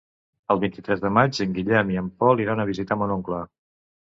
El vint-i-tres de maig en Guillem i en Pol iran a visitar mon oncle.